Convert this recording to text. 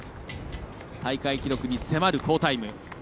大会記録に迫る好タイム。